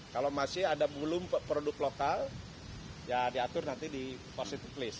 kalau masih ada belum produk lokal ya diatur nanti di positive list